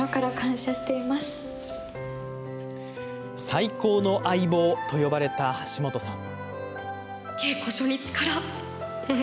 最高の相棒と呼ばれた橋本さん。